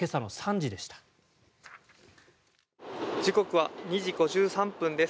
時刻は２時５３分です。